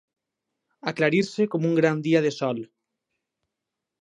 Aclarir-se com un gran dia de sol.